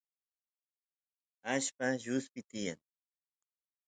allpa lluspi tiyan